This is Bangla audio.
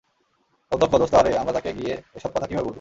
অধ্যক্ষ, দোস্ত আরে, আমরা তাকে গিয়ে এসব কথা কিভাবে বলব?